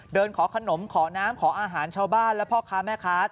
เดินขอขนมขอน้ำขออาหารชาวบ้านและพ่อค้าแม่ค้า